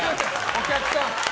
お客さん。